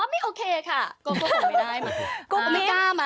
อ๋อไม่โอเคค่ะก็บอกไม่ได้